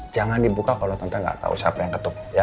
jangan dibuka kalau tante gak tahu siapa yang ketuk